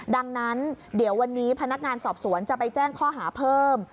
ดังนั้นเดี๋ยววันนี้พนักงานสอบสวนจะไปแจ้งข้อหาเพิ่ม